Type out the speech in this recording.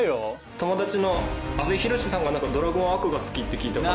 友達の阿部寛さんがドラゴンあくが好きって聞いたから。